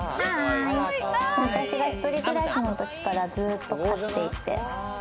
私が一人暮らしの時からずっと飼っていて。